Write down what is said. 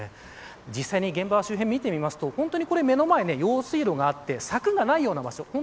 実際に現場周辺を見てみると目の前、用水路があって柵がないような場所。